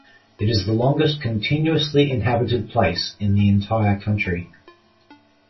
It is the longest continuously inhabited place in the entire country.